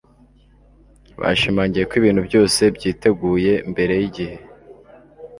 Bashimangiye ko ibintu byose byiteguye mbere yigihe